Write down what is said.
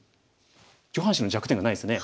上半身の弱点がないですね。